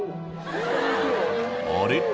あれ？